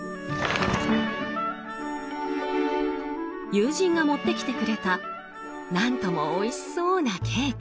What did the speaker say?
友人が持ってきてくれた何ともおいしそうなケーキ。